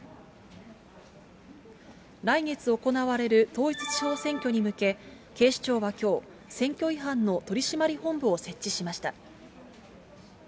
来月行われる統一地方選挙に向け、警視庁はきょう、選挙違反の取締本部を設置しました。